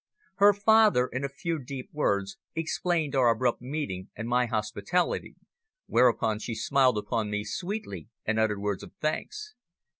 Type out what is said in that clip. Her father, in a few deep words, explained our abrupt meeting and my hospitality, whereupon she smiled upon me sweetly and uttered words of thanks.